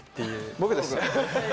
僕ですね。